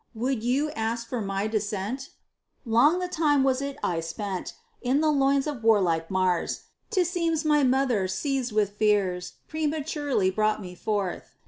Would you ask for my descent? Long the time was it I spent In the loins of warlike Mars. 'T seems my mother, seized with fears, Prematurely brought me forth.